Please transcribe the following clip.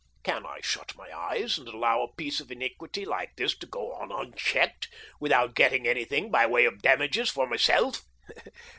Can I shut my eyes and allow a piece of iniquity like this to go on unchecked, without getting anything by way of damages for myself